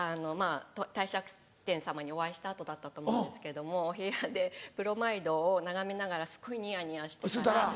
帝釈天様にお会いした後だったと思うんですけども部屋でブロマイドを眺めながらすごいニヤニヤしてたら。